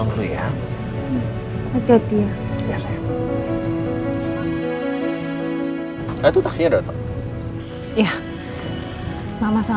gigi juga bisa dipecat sama mas al